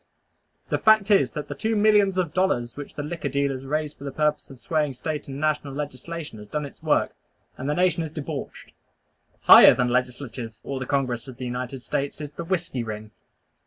The fact is that the two millions of dollars which the liquor dealers raised for the purpose of swaying State and national legislation has done its work, and the nation is debauched. Higher than legislatures or the Congress of the United States is the Whiskey Ring!